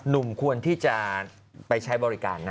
หนุ่มควรที่จะไปใช้บริการนะ